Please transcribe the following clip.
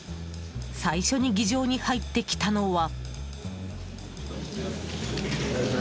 最初に議場に入ってきたのは。